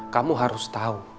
kamu harus tahu